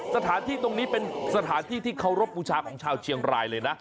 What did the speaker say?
สถานที่ตรงนี้เป็นสถานที่ที่เคารพบูชาของชาวเชียงรายเลยนะ